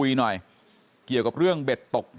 ไปรับศพของเนมมาตั้งบำเพ็ญกุศลที่วัดสิงคูยางอเภอโคกสำโรงนะครับ